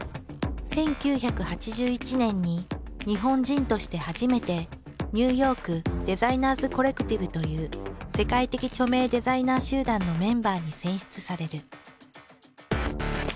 １９８１年に日本人として初めてニューヨーク・デザイナーズ・コレクティブという世界的著名デザイナー集団のメンバーに選出される。